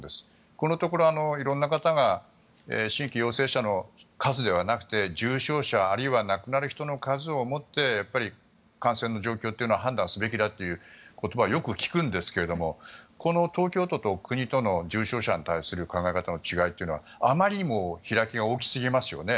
このところ、色んな方が新規陽性者の数ではなくて重症者あるいは亡くなる人の数をもって感染の状況というのを判断すべきだという言葉をよく聞くんですがこの東京都と国との重症者に対する考え方の違いってあまりにも開きが大きすぎますよね。